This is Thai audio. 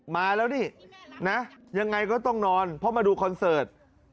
มาแล้วนี่นะยังไงก็ต้องนอนเพราะมาดูคอนเสิร์ต